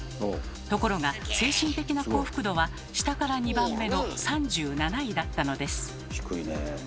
ところが精神的な幸福度は下から２番目の３７位だったのです。